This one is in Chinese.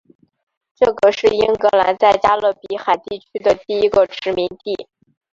这个是英格兰在加勒比海地区的第一个殖民地。